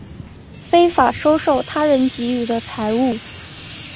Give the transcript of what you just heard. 非法收受他人给予的财物